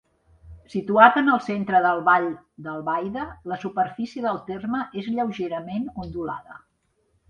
Situat en el centre del vall d'Albaida, la superfície del terme és lleugerament ondulada.